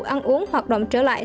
ăn uống hoạt động trở lại